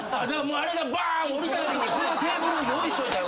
あれがバーン降りたときにこのテーブル用意しといたらよかった。